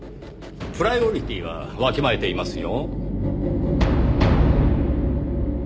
プライオリティーはわきまえていますよ。